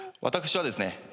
私はですね